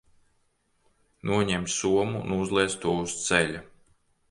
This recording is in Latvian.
Noņem somu un uzliec to uz ceļa.